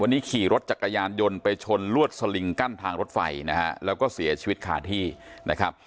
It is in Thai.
วันนี้ขี่รถจักรยานยนต์ไปชนลวดสลิงกั้นทางรถไฟนะฮะแล้วก็เสียชีวิตคาที่นะครับ